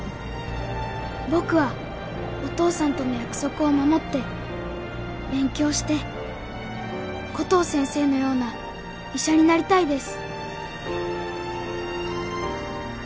僕はお父さんとの約束を守って勉強してコトー先生のような医者になりたいです」